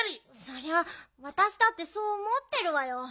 そりゃわたしだってそうおもってるわよ。